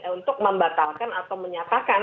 untuk membatalkan atau menyatakan